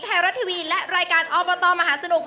ไทยรัดทีวีและรายการออปเตอร์มาหาสนุก